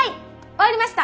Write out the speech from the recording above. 終わりました！